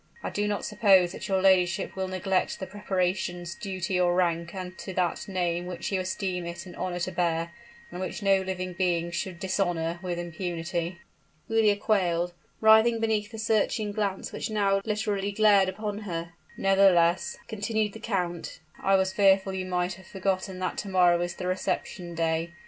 "I do not suppose that your ladyship will neglect the preparations due to your rank and to that name which you esteem it an honor to bear, and which no living being should dishonor with impunity!" Giulia quailed writhed beneath the searching glance which now literally glared upon her. "Nevertheless," continued the count, "I was fearful you might have forgotten that to morrow is the reception day.